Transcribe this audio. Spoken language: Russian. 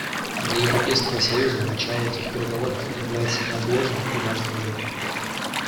Для Европейского союза начало этих переговоров является неотложным и важным делом.